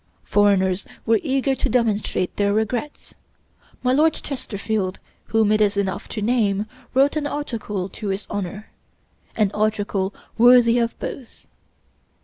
Foreigners were eager to demonstrate their regrets: my Lord Chesterfield, whom it is enough to name, wrote an article to his honor an article worthy of both.